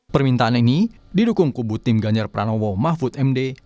permintaan ini didukung kubu tim ganjar pranowo mahfud md